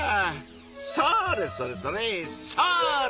それそれそれそれ！